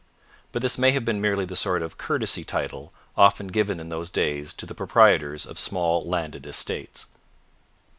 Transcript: But this may have been merely the sort of courtesy title often given in those days to the proprietors of small landed estates.